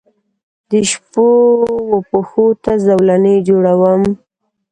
دشپووپښوته زولنې جوړوم